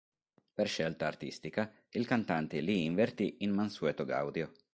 Per scelta artistica, il cantante li invertì in Mansueto Gaudio.